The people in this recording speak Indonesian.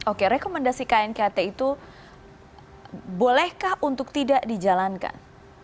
oke rekomendasi knkt itu bolehkah untuk tidak dijalankan